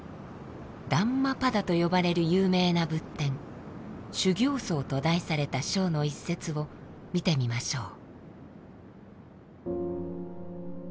「ダンマパダ」と呼ばれる有名な仏典「修行僧」と題された章の一節を見てみましょう。